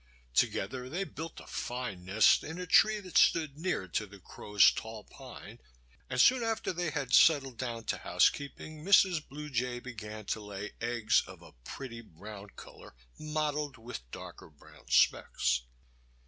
Together they built a fine nest in a tree that stood near to the crow's tall pine, and soon after they had settled down to housekeeping Mrs. Blue Jay began to lay eggs of a pretty brown color mottled with darker brown specks.